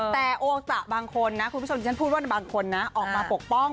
แต่โอสะบางคนนะคุณผู้ชมที่ฉันพูดว่าบางคนนะออกมาปกป้อง